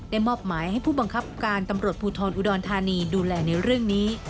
มอบหมายให้ผู้บังคับการตำรวจภูทรอุดรธานีดูแลในเรื่องนี้